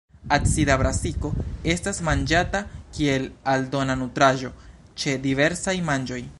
Acida brasiko estas manĝata kiel aldona nutraĵo ĉe diversaj manĝoj.